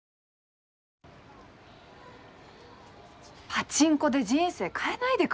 パチンコで人生変えないでくれる？